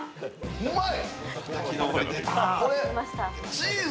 うまい！